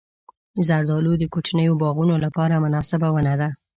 زردالو د کوچنیو باغونو لپاره مناسبه ونه ده.